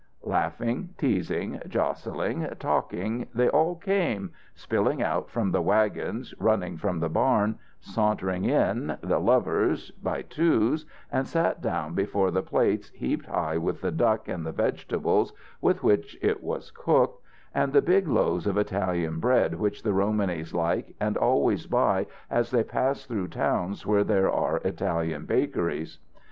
Laughing, teasing, jostling, talking, they all came, spilling out from the wagons, running from the barn, sauntering in, the lovers, by twos, and sat down before the plates heaped high with the duck and the vegetables with which it was cooked and the big loaves of Italian bread which the Romanys like and always buy as they pass through towns where there are Italian bakeries.